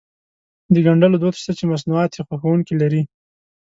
د ګنډلو دود شته چې مصنوعات يې خوښوونکي لري.